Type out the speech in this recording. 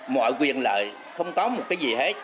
mọi quyền lợi không tóm một cái gì hết